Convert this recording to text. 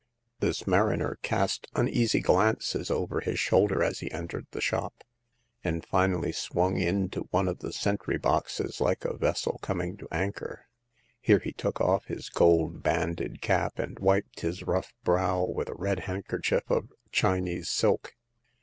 This mariner cast uneasy glances over his shoulder as he entered the shop, and finally swung into one of the sentry boxes like a vessel coming to anchor. Here he took off his gold banded cap and wiped his rough brow with a red handkerchief of Chinese silk.